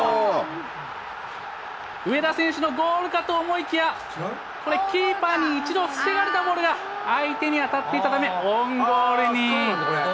上田選手のゴールかと思いきや、これ、キーパに一度防がれたボールが相手に当たっていたため、オウンゴールに。